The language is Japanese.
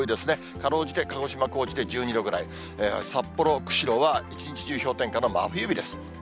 かろうじて鹿児島、高知で１２度ぐらい、札幌、釧路は一日中氷点下の真冬日です。